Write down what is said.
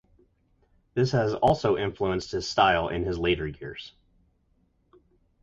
This has also influenced his style in his later years.